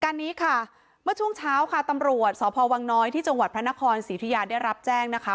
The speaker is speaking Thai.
การนี้ค่ะเมื่อช่วงเช้าค่ะตำรวจสพวังน้อยที่จังหวัดพระนครศรีธุยาได้รับแจ้งนะคะ